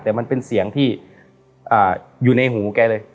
แต่มันเป็นเสียงที่อยู่ในหูแกเลย